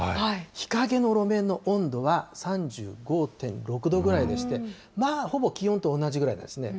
日陰の路面の温度は３５．６度ぐらいでして、まあほぼきのうの同じぐらいですね。